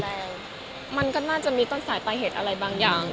แรงมันก็น่าจะมีต้นสายปลายเหตุอะไรบางอย่าง